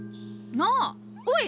なあおい！